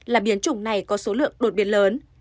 là biến chủng này có số lượng đột biến lớn